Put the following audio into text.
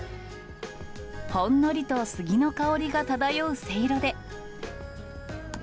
ほんのりとスギの香りが漂うせいろで。